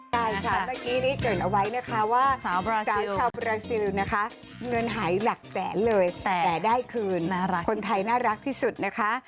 ใช่ค่ะเมื่อกี้นี้เกิดเอาไว้นะคะว่าสาวบราซิลชาวบราซิลนะคะเงินหายหลักแสนเลยแต่ได้คืนคนไทยน่ารักที่สุดนะคะ